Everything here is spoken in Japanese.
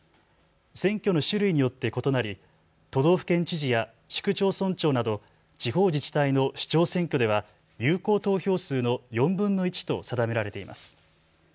選挙の種類によって異なり都道府県知事や市区町村長など地方自治体の首長選挙では有効投票数の４分の１と定められています。